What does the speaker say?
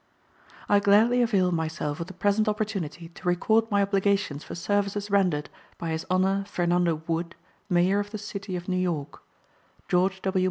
I gladly avail myself of the present opportunity to record my obligations for services rendered by his honor Fernando Wood, Mayor of the city of New York; George W.